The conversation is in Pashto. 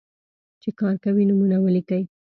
چې کار کوي، نومونه ولیکئ.